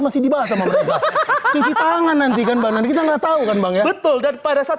masih dibahas sama mereka cuci tangan nanti kan bang nanti kita nggak tahu kan bang ya betul dan pada saat